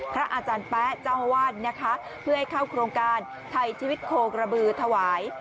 อาจารย์แป๊ะเจ้าอาวาสนะคะเพื่อให้เข้าโครงการไทยชีวิตโคกระบือถวาย